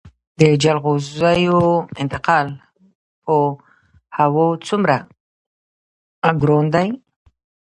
د جلغوزیو انتقال په هوا څومره ګران دی؟